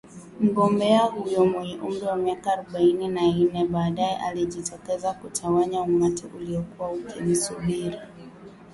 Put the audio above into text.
Mgombea huyo mwenye umri wa miaka arubaini na ine, baadae alijitokeza kutawanya umati uliokuwa ukimsubiri